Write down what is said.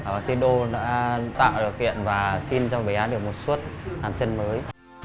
bác sĩ đô đã tạo được kiện và xin cho bé được một suốt làm chân mới